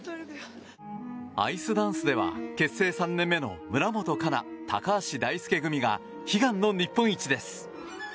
アイスダンスでは結成３年目の村元哉中、高橋大輔組が悲願の日本一です。